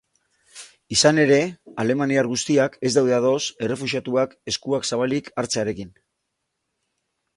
Izan ere, alemaniar guztiak ez daude ados errefuxiatuak eskuak zabalik hartzearekin.